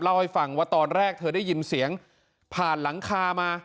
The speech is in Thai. เล่าให้ฟังว่าตอนแรกเธอได้ยินเสียงผ่านหลังคามา